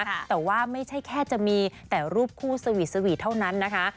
แต่ว่าไม่ใช่แค่จะมีแต่รูปคู่สวีทสวีทเท่านั้นนะคะ